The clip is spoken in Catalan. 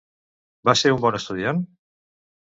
Va ser un bon estudiant?